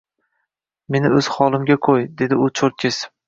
Meni o`z holimga qo`y, dedi u cho`rt kesib